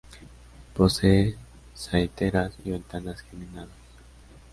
Posee saeteras y ventanas geminadas.